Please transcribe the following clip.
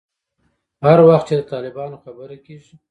هر وخت چې د طالبانو خبره کېږي.